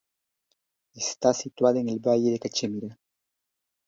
Está situada en el valle de Cachemira.